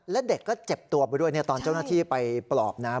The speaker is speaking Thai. และเด็กก็เจ็บตัวไปด้วยตอนเจ้าหน้าที่ไปปลอบนะครับ